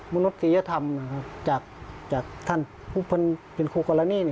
มนุษยธรรมจากท่านผู้เป็นคู่กรณี